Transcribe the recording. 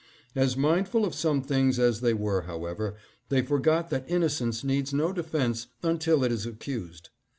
As mindful of some things as they were, however, they forgot that innocence needs no defense until it is accused.